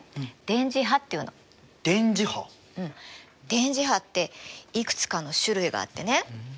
電磁波っていくつかの種類があってね。